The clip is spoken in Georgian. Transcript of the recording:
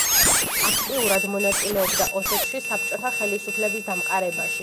აქტიურად მონაწილეობდა ოსეთში საბჭოთა ხელისუფლების დამყარებაში.